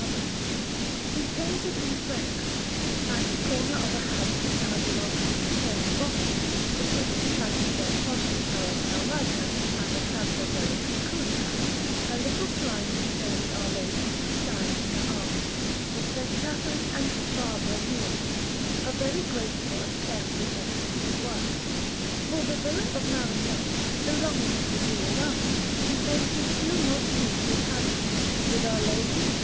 Florence: Accademia, 90_) Anderson] He painted in fresco, at the corner of a house that now belongs to Matteo Botti, between the Canto del Ponte alla Carraja and the Canto della Cuculia, a little shrine containing Our Lady with the Child in her arms, with S. Catherine and S. Barbara kneeling, a very graceful and carefully executed work. For the Villa of Marignolle, belonging to the Girolami, he painted two most beautiful panels, with Our Lady, S.